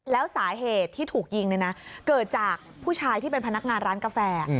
แล้วสาเหตุที่ถูกยิงเนี่ยนะเกิดจากผู้ชายที่เป็นพนักงานร้านกาแฟ